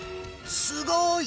すごーい！